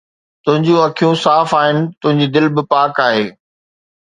تنهنجون اکيون صاف آهن، تنهنجي دل به پاڪ آهي